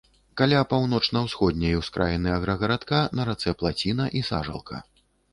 Каля паўночна-ўсходняй ускраіны аграгарадка на рацэ плаціна і сажалка.